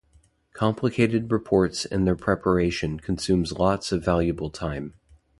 Complicated reports and their preparation consumes lots of valuable time.